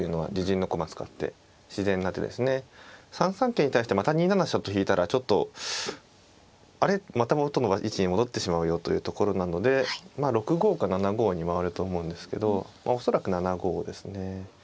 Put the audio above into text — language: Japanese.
桂に対してまた２七飛車と引いたらちょっと「あれ？また元の位置に戻ってしまうよ」というところなので６五か７五に回ると思うんですけど恐らく７五ですね。